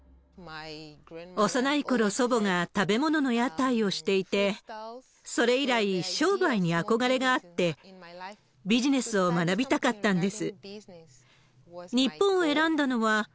幼いころ、祖母が食べ物の屋台をしていて、それ以来、商売に憧れがあって、ビジネスを学びたかったんです。